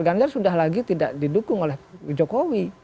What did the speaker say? ganjar sudah lagi tidak didukung oleh jokowi